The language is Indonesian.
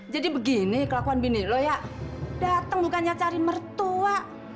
jadi begini kelakuan bini lo ya datang bukannya cari mertua